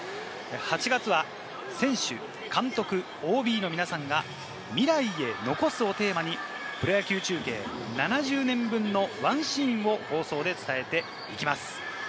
８月は選手、監督、ＯＢの皆さんが「未来へ、残す」をテーマに、プロ野球中継７０年分の１シーンを放送で伝えていきます。